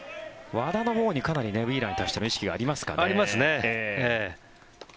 和田のほうにかなりウィーラーに対しての意識がありますかね。ありますね。